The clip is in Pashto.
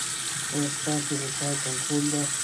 ایا ستاسو غوسه کنټرول ده؟